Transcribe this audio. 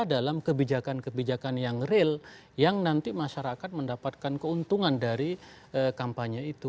dalam kebijakan kebijakan yang real yang nanti masyarakat mendapatkan keuntungan dari kampanye itu